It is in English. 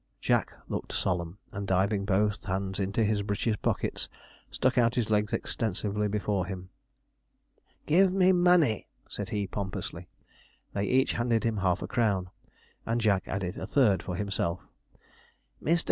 Jack looked solemn; and diving both hands into his breeches' pockets, stuck out his legs extensively before him. 'Give me money,' said he pompously. They each handed him half a crown; and Jack added a third for himself. 'Mr.